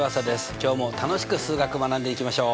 今日も楽しく数学学んでいきましょう。